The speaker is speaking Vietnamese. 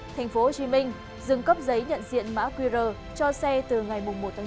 thành phố hồ chí minh dừng cấp giấy nhận diện mã qr cho xe từ ngày một chín